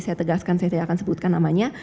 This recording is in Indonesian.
saya tegaskan saya akan sebutkan namanya